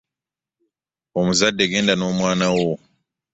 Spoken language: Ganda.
Omuzadde genda n'omwana wo.